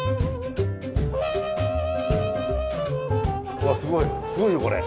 うわすごいすごいよこれ。